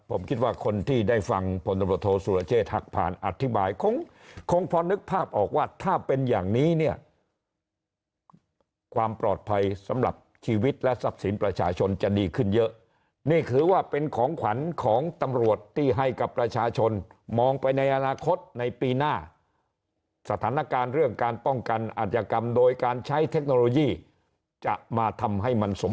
ผมคิดว่าคนที่ได้ฟังผลตำรวจโทษสุรเชษฐักผ่านอธิบายคงคงพอนึกภาพออกว่าถ้าเป็นอย่างนี้เนี่ยความปลอดภัยสำหรับชีวิตและทรัพย์สินประชาชนจะดีขึ้นเยอะนี่ถือว่าเป็นของขวัญของตำรวจที่ให้กับประชาชนมองไปในอนาคตในปีหน้าสถานการณ์เรื่องการป้องกันอาจยกรรมโดยการใช้เทคโนโลยีจะมาทำให้มันสม